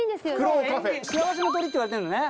幸せの鳥っていわれてんのね。